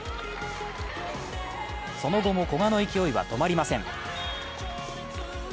その後も古賀の勢いは止まりません。